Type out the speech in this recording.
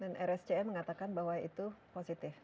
dan rscm mengatakan bahwa itu positif